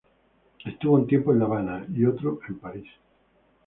Estuvo un tiempo en La Habana y otro en París.